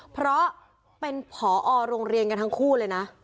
เพราะเป็นผอโรงเรียนกันทั้งคู่เลยนะ